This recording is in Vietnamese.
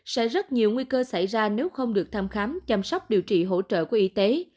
sẽ rất nhiều nguy cơ xảy ra nếu không được thăm khám chăm sóc điều trị hỗ trợ của y tế